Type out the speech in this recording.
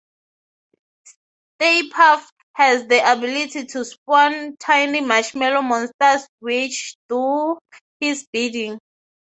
Stay-Puft has the ability to spawn tiny marshmallow monsters which do his bidding.